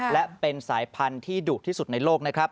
และเป็นสายพันธุ์ที่ดุที่สุดในโลกนะครับ